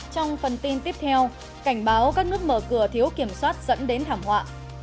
trong phần tin tiếp theo cảnh báo các nước mở cửa thiếu kiểm soát dẫn đến thảm họa